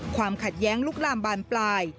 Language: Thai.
ความขัดแย้งลุกลามบานปลาย